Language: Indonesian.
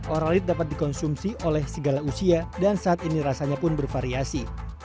orolit dapat dikonsumsi oleh segala usia dan saat ini rasanya pun bervariasi